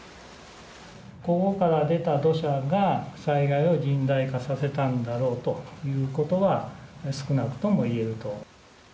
ここから出た土砂が、災害を甚大化させたんだろうということは、少なくともいえると。